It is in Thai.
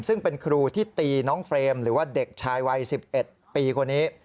ซึ่งเป็นครูที่ตีน้องเฟรมหรือว่าเด็กชายวัย๑๑ปีคนนี้